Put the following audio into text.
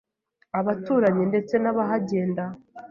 abaturanyi ndetse n’abahagenda.